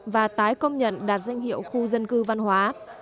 và tái công nhận đạt danh hiệu khu dân cư văn hóa